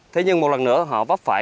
thế nhưng một lần nữa họ vấp phải